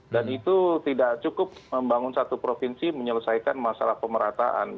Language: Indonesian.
dan itu tidak cukup membangun satu provinsi menyelesaikan masalah pemerataan